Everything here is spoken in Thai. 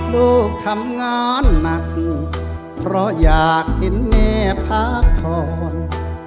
ลูกทำงานหนักเพราะอยากเห็นแม่พักผ่อน